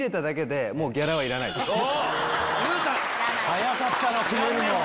早かったな決めるの。